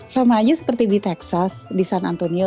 sama aja seperti di texas di san antonio